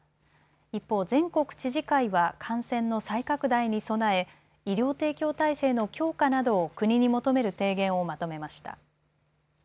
一方、全国知事会は感染の再拡大に備え医療提供体制の強化などを国に求める提言をまとめました。